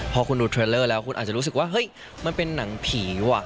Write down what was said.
พอคุณดูเทรลเลอร์แล้วคุณอาจจะรู้สึกว่าเฮ้ยมันเป็นหนังผีว่ะ